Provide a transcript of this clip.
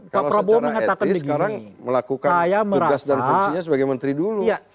kalau secara etis sekarang melakukan tugas dan fungsinya sebagai menteri dulu